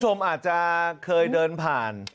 คุณผู้ชมอาจจะเคยเดินผ่าน